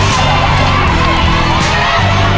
สุดท้ายแล้วครับ